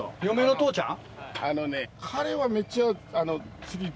あのね。